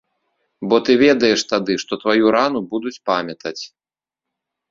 Бо ты ведаеш тады, што тваю рану будуць памятаць.